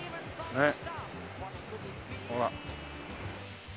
ねっ。